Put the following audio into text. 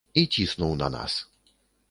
І ціснуў на нас.